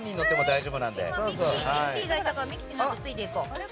ミキティいたからミキティのあとついていこう。